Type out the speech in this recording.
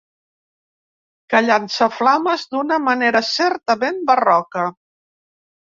Que llança flames d'una manera certament barroca.